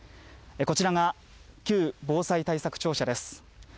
こちらが旧防災対策庁舎です。